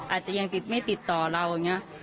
อาจจะยังติดไม่ติดต่อเราอย่างนี้